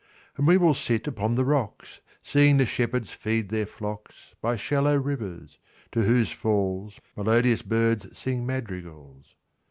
And we will sit upon the rocks, Seeing the shepherds feed their flocksBy shallow rivers, to whose fallsMelodious birds sing madrigals.